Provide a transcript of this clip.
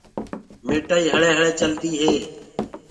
ميٺآئي بوت هݪي هݪي چلدي هي۔